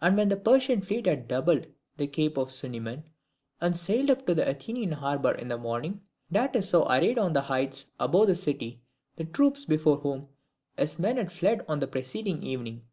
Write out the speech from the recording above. And when the Persian fleet had doubled the Cape of Sunium and sailed up to the Athenian harbour in the morning, Datis saw arrayed on the heights above the city the troops before whom his men had fled on the preceding evening.